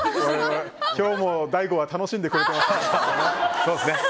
今日も大悟は楽しんでくれてますね。